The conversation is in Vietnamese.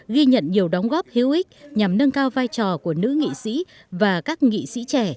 ghi nhận nhiều đóng góp hữu ích nhằm nâng cao vai trò của nữ nghị sĩ và các nghị sĩ trẻ